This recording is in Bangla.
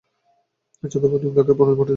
চন্দ্রবাবুর নির্মলাকে মনে পড়িল।